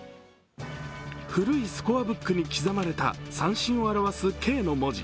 古いスコアブックに刻まれた三振を表すＫの文字。